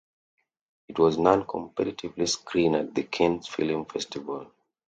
It was non-competitively screened at the Cannes Film Festival.